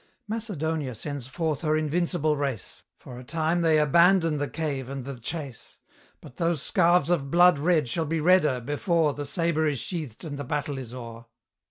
Macedonia sends forth her invincible race; For a time they abandon the cave and the chase: But those scarves of blood red shall be redder, before The sabre is sheathed and the battle is o'er.